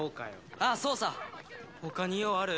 ああそうさ他に用ある？